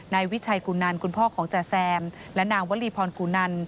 นายวิชัยกุนันคุณพ่อของจาแซมและนางวลีพรกุนัน